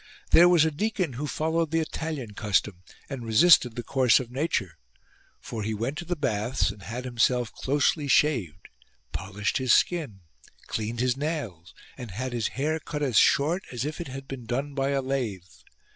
There was a deacon who followed the Italian custom and resisted the course of nature. For he went to the baths and had himself closely shaved, polished his skin, cleaned his nails, and had his hair cut as short as if it had been done by a lathe.